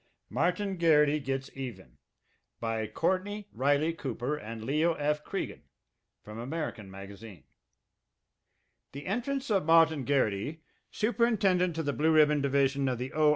MARTIN GARRITY GETS EVEN By COURTNEY RYLEY COOPER and LEO. F. CREAGAN From American Magazine The entrance of Martin Garrity, superintendent of the Blue Ribbon Division of the O.